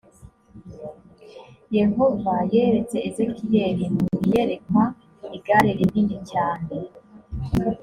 yehova yeretse ezekiyeli mu iyerekwa igare rinini cyane